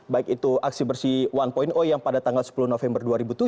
baik itu aksi bersih satu yang pada tanggal sepuluh november dua ribu tujuh